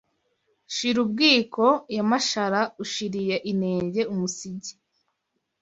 Shirubwiko ya Mashara Ushiriye inenge umusigi